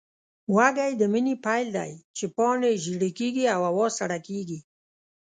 وږی د مني پیل دی، چې پاڼې ژېړې کېږي او هوا سړه کېږي.